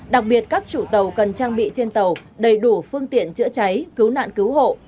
đặc biệt các chủ tàu cần trang bị trên tàu đầy đủ phương tiện chữa cháy cứu nạn cứu hộ